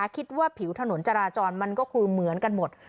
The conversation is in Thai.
คิดว่าผิวถนนจราจรมันก็คือเหมือนกันหมด